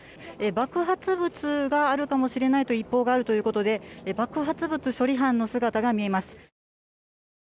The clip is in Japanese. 爆発物があるかもしれないという一報があるということで爆発物処理班の姿が見えます。